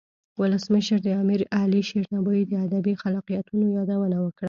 ولسمشر د امیر علي شیر نوایی د ادبی خلاقیتونو یادونه وکړه.